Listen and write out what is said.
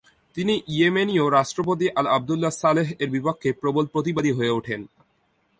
তিনি ইয়েমেনীয় রাষ্ট্রপতি আলী আবদুল্লাহ সালেহ-এর বিপক্ষে প্রবল প্রতিবাদী হয়ে উঠেন।